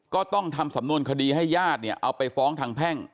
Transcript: ก็ต้องทำสำนวนคดีให้ญาติเนี่ยเอาไปฟ้องทางแพ่ง